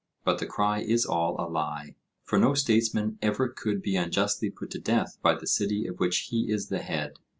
But the cry is all a lie; for no statesman ever could be unjustly put to death by the city of which he is the head.